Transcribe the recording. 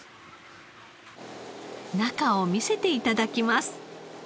中を見せて頂きます。